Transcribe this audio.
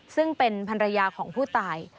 ซึ่งเป็นภรรยาของผู้ตาย